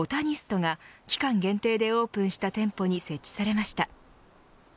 ＢＯＴＡＮＩＳＴが期間限定でオープンした店舗に設置されました。